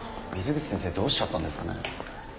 水口先生どうしちゃったんですかね。